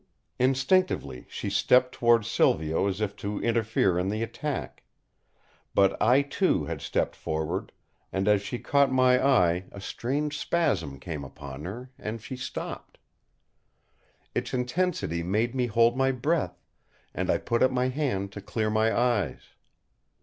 Instinctively she stepped towards Silvio as if to interfere in the attack. But I too had stepped forward; and as she caught my eye a strange spasm came upon her, and she stopped. Its intensity made me hold my breath; and I put up my hand to clear my eyes.